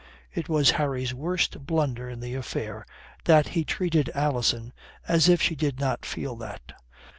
It was Harry's worst blunder in the affair that he treated Alison as if she did not feel that.